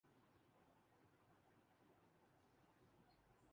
کے عشرے میں روس کے خلاف افغان تحریک مزاحمت کو سپورٹ